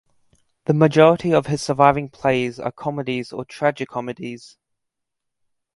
The majority of his surviving plays are comedies or tragicomedies.